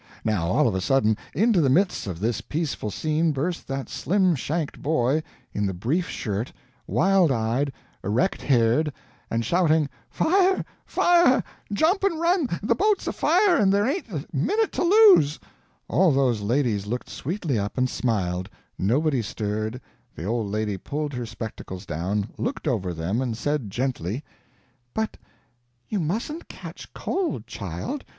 Now all of a sudden, into the midst of this peaceful scene burst that slim shanked boy in the brief shirt, wild eyed, erect haired, and shouting, "Fire, fire! JUMP AND RUN, THE BOAT'S AFIRE AND THERE AIN'T A MINUTE TO LOSE!" All those ladies looked sweetly up and smiled, nobody stirred, the old lady pulled her spectacles down, looked over them, and said, gently: "But you mustn't catch cold, child.